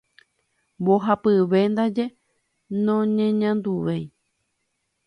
Mbohapyve ndaje noñeñanduvéi.